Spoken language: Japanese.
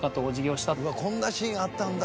こんなシーンあったんだ。